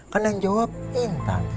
kan yang jawab intan